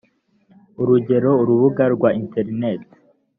urugero urubuga rwa interineti